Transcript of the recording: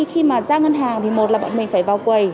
khi mà ra ngân hàng thì một là bọn mình phải vào quầy